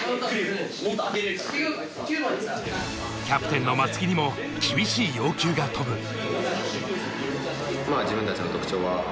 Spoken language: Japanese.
キャプテンの松木にも厳しい要求が飛ぶ。